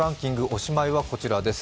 おしまいはこちらです。